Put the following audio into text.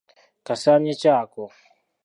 Kasaanyi ki ako?